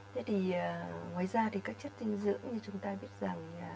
thế thì ngoài ra thì các chất dinh dưỡng như chúng ta biết rằng